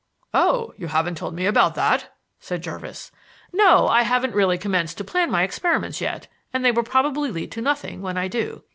"Oh; you haven't told me about that," said Jervis. "No; I haven't really commenced to plan my experiments yet, and they will probably lead to nothing when I do.